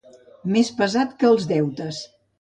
Més pesat que els deutes.